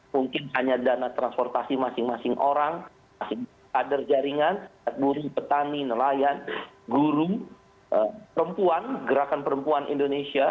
mungkin hanya dana transportasi masing masing orang masing masing kader jaringan guru petani nelayan guru perempuan gerakan perempuan indonesia